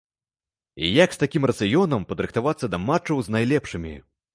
Як з такім рацыёнам падрыхтавацца да матчаў з найлепшымі?